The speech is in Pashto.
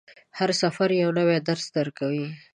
هر سفر یو نوی درس درکوي.